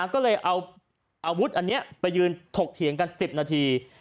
ก็เลยเอาอาวุธอันนี้ไปยืนถกเถียงกัน๑๐นาที